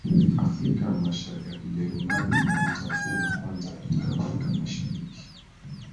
Afrika ya Mashariki ya Kijerumani na Vita Kuu ya Kwanza katika Afrika ya Mashariki